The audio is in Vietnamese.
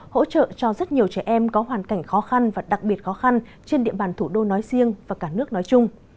hỗ trợ cho rất nhiều trẻ em có hoàn cảnh khó khăn và đặc biệt khó khăn trên địa bàn thủ đô nói riêng và cả nước nói chung